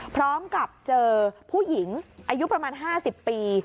พร้อมกับเจอผู้หญิงอายุประมาณ๕๐ปี